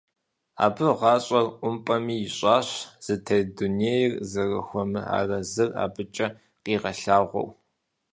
Абы гъащӀэр Ӏумпэм ищӀащ, зытет дунейм зэрыхуэмыарэзыр абыкӀэ къигъэлъагъуэу.